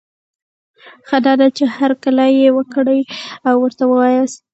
ښه دا ده، چي هرکلی یې وکړی او ورته وواياست